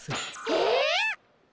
えっ！？